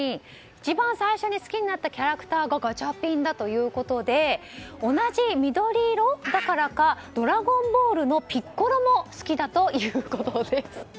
一番最初に好きになったキャラクターがガチャピンだということで同じ緑色だからか「ドラゴンボール」のピッコロも好きだということです。